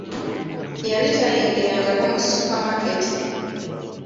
Yali tayingirangako mu supamaketi,